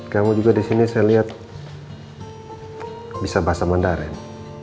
kamu juga disini saya liat bisa bahasa mandarin